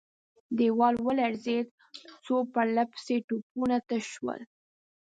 دېوال ولړزېد، څو پرله پسې توپونه تش شول.